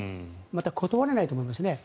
また、断れないと思いますね。